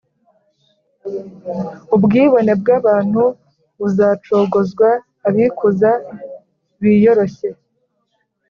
Ubwibone bw’abantu buzacogozwa, abikuza biyoroshye: